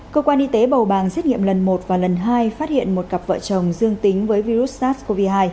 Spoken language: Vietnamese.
cơ quan y tế bầu bàng xét nghiệm lần một và lần hai phát hiện một cặp vợ chồng dương tính với virus sars cov hai